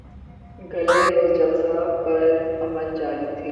گلے روز جلسہ پر امن جاری تھا